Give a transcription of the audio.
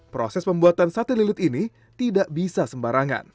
proses pembuatan sate lilit ini tidak bisa sembarangan